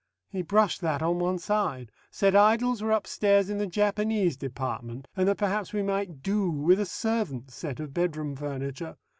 He brushed that on one side, said idols were upstairs in the Japanese Department, and that perhaps we might do with a servant's set of bedroom furniture.